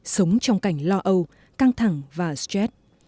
sống trong cảnh lo âu căng thẳng và stress